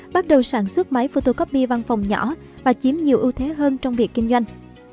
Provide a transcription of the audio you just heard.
bắt đầu sản xuất máy photocopy văn phòng nhỏ và chiếm nhiều ưu thế hơn trong việc kinh doanh